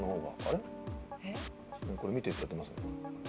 ねえこれ見てってやってますね。